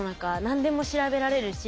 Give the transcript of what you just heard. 何でも調べられるし